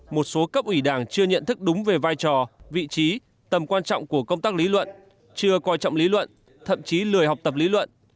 một số cấp ủy đảng chưa nhận thức đúng về vai trò vị trí tầm quan trọng của công tác lý luận chưa coi trọng lý luận thậm chí lười học tập lý luận